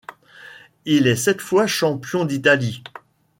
Il est sept fois champion d’Italie.